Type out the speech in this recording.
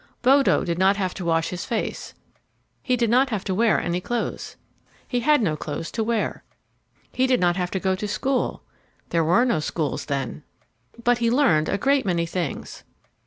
Bodo did not have to wash his face. He did not have to wear any clothes. He had no clothes to wear. He did not have to go to school. There were no schools then. But he learned a great many things.